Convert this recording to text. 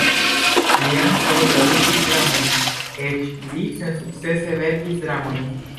Li ankaŭ tradukis dramojn, eĉ li sensukcese verkis dramojn.